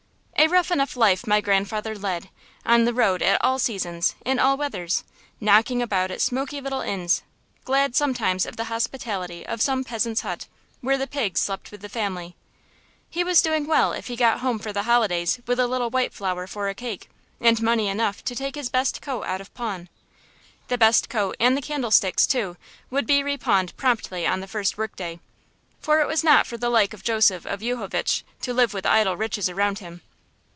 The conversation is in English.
A rough enough life my grandfather led, on the road at all seasons, in all weathers, knocking about at smoky little inns, glad sometimes of the hospitality of some peasant's hut, where the pigs slept with the family. He was doing well if he got home for the holidays with a little white flour for a cake, and money enough to take his best coat out of pawn. The best coat, and the candlesticks, too, would be repawned promptly on the first workday; for it was not for the like of Joseph of Yuchovitch to live with idle riches around him.